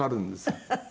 フフフ。